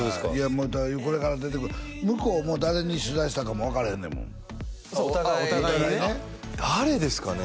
もうこれから出てくる向こうも誰に取材したかも分からへんねんもんそうお互いにねあっお互いに誰ですかね？